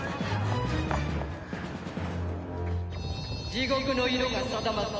地獄の色が定まった。